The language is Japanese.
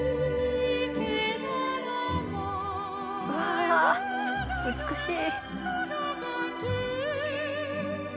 うわ美しい。